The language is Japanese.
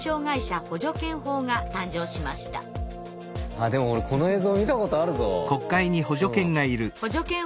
あっでも俺この映像見たことあるぞ。